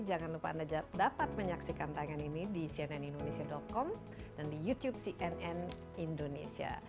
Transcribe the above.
jangan lupa anda dapat menyaksikan tangan ini di cnnindonesia com dan di youtube cnn indonesia